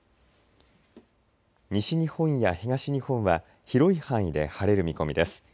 西日本や東日本は広い範囲で晴れる見込みです。